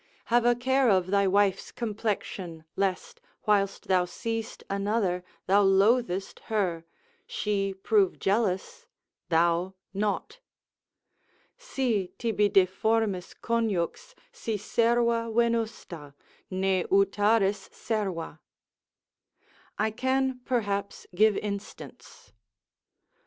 Have a care of thy wife's complexion, lest whilst thou seest another, thou loathest her, she prove jealous, thou naught, Si tibi deformis conjux, si serva venusta, Ne utaris serva,——— I can perhaps give instance.